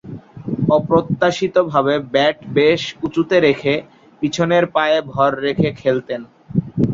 অপ্রত্যাশিতভাবে ব্যাট বেশ উঁচুতে রেখে পিছনের পায়ে ভর রেখে খেলতেন।